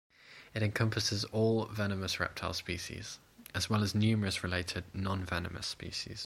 It encompasses all venomous reptile species, as well as numerous related non-venomous species.